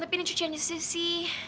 tapi ini cuciannya sisi